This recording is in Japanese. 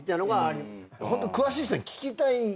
ホント詳しい人に聞きたいことが多い。